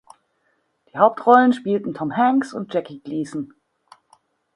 Die Hauptrollen spielten Tom Hanks und Jackie Gleason.